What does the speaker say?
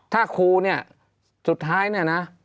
ถ้าครูเนี่ยสุดท้ายเนี่ยนะ